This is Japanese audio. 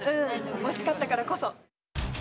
惜しかったからこそ。